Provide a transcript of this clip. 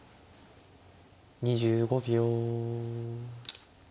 ２５秒。